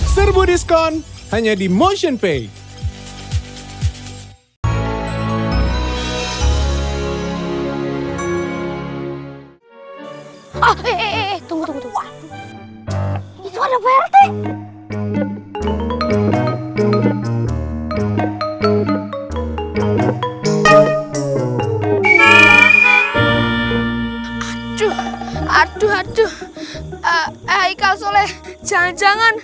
serbu diskon hanya di motionpay